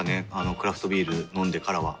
クラフトビール飲んでからは。